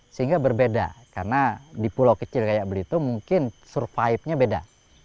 sehingga berbeda karena di pulau kecil kayak belitung mungkin survive nya beda